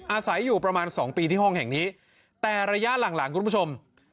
อาศัยอยู่ประมาณสองปีที่ห้องแห่งนี้แต่ระยะหลังหลังคุณผู้ชม